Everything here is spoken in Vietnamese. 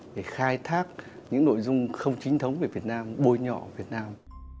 để khai thác những nội dung không chính thống về việt nam bôi nhọ việt nam